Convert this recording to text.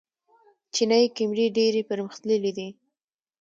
چینايي کیمرې ډېرې پرمختللې دي.